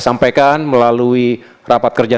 sampaikan melalui rapat kerja